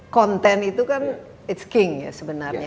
konten itu kan it's king ya sebenarnya